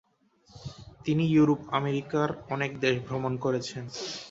তিনি ইউরোপ আমেরিকার অনেক দেশ ভ্রমণ করেছেন।